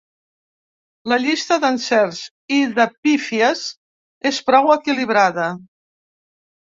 La llista d’encerts i de pífies és prou equilibrada.